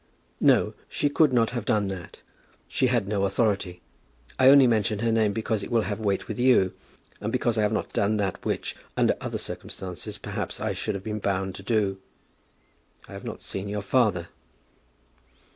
"No, she could not have done that. She had no authority. I only mention her name because it will have weight with you, and because I have not done that which, under other circumstances, perhaps, I should have been bound to do. I have not seen your father."